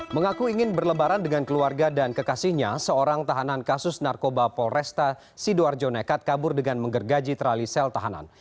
mengaku ingin berlebaran dengan keluarga dan kekasihnya seorang tahanan kasus narkoba polresta sidoarjo nekat kabur dengan menggergaji terali sel tahanan